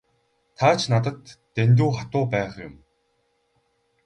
Та ч надад дэндүү хатуу байх юм.